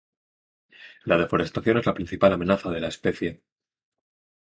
La deforestación es la principal amenaza de la especie.